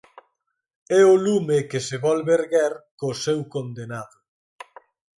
É o lume que se volve erguer có seu condenado.